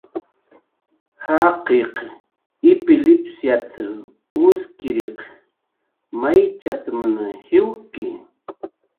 "Jaqiq ipilipsiat"" uskiriq maychat""mn jiwki "